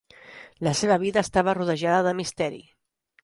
La seva vida està rodejada de misteri.